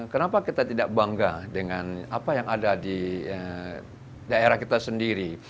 kenapa kita tidak bangga dengan apa yang ada di daerah kita sendiri